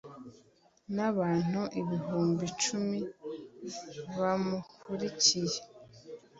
n'abantu ibihumbi cumi bamukurikiye